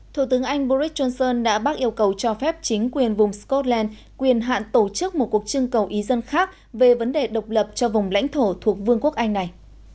thủ tướng anh boris johnson đã bác yêu cầu cho phép chính quyền vùng scotland quyền hạn tổ chức một cuộc trưng cầu ý dân khác về vấn đề độc lập cho vùng lãnh thổ thuộc vương quốc anh này